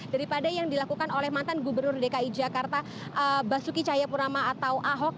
daripada yang dilakukan oleh mantan gubernur dki jakarta basuki cahayapurama atau ahok